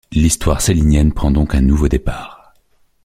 L’histoire célinienne prend donc un nouveau départ.